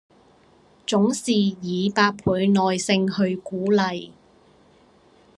總是以百倍耐性去鼓勵